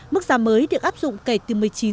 mức giá mới được áp dụng kể từ một mươi chín